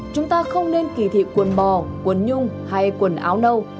chúng ta không nên kỳ thị quần bò quần nhung hay quần áo nâu